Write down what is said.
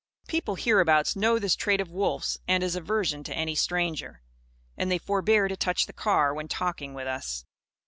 People, hereabouts, know this trait of Wolf's and his aversion to any stranger. And they forbear to touch the car when talking with us.